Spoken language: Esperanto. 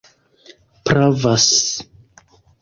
pravas